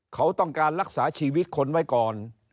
เขาต้องการรักษาชีวิตคนไว้ก่อน